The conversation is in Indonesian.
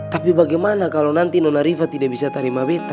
tapi bagaimana kalau nanti nona riva tidak bisa tarima beta